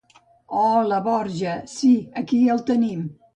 Hooola Borja, sí, aquí el tenim.